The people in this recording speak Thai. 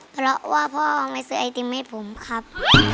เพราะว่าพ่อไม่ซื้อไอติมให้ผมครับ